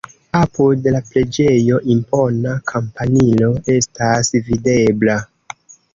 Apud la preĝejo impona kampanilo estas videbla.